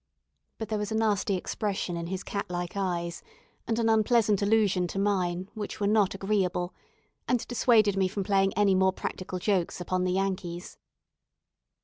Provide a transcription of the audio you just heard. But there was a nasty expression in his cat like eyes, and an unpleasant allusion to mine, which were not agreeable, and dissuaded me from playing any more practical jokes upon the Yankees.